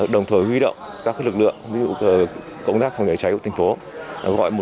đồng thời huy động các lực lượng ví dụ công tác phòng cháy ở thành phố gọi một trăm một mươi bốn